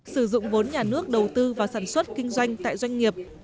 sử dụng vốn nhà nước đầu tư vào sản xuất kinh doanh tại doanh nghiệp